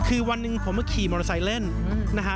คือวันหนึ่งผมมาขี่มอเตอร์ไซค์เล่นนะฮะ